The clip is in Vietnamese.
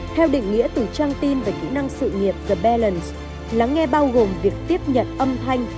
theo định nghĩa từ trang tin và kỹ năng sự nghiệp g balance lắng nghe bao gồm việc tiếp nhận âm thanh